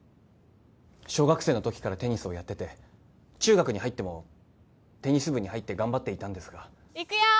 小学生の時からテニスをやってて中学に入ってもテニス部に入って頑張っていたんですがいくよ！